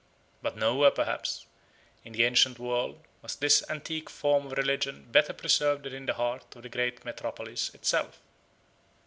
But nowhere, perhaps, in the ancient world was this antique form of religion better preserved than in the heart of the great metropolis itself.